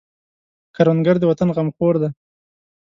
کروندګر د وطن غمخور دی